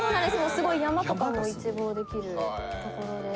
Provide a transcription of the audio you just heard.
すごい山とかも一望できる所で。